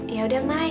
ya udah mai